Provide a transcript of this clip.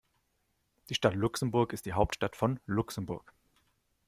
Die Stadt Luxemburg ist die Hauptstadt von Luxemburg.